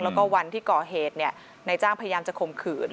แล้วก็วันที่ก่อเหตุนายจ้างพยายามจะข่มขืน